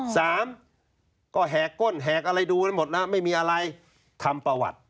สามก็แหกก้นแหกอะไรดูได้หมดนะไม่มีอะไรทำประวัติ